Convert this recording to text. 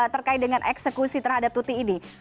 terkait dengan eksekusi terhadap tuti ini